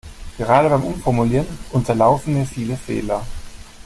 Gerade beim Umformulieren unterlaufen mir viele Fehler.